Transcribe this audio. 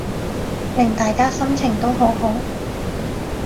令大家心情都好好